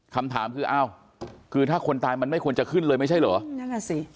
คำถามคือเอ้าคือถ้าคนตายมันไม่ควรจะขึ้นเลยไม่ใช่เหรอ